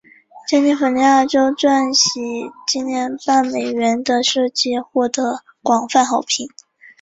加利福尼亚州钻禧纪念半美元的设计获得广泛好评。